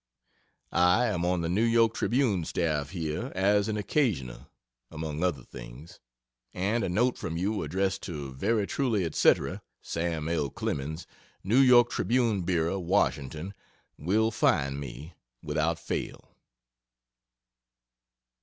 I am on the N. Y. Tribune staff here as an "occasional,", among other things, and a note from you addressed to Very truly &c. SAM L. CLEMENS New York Tribune Bureau, Washington, will find me, without fail.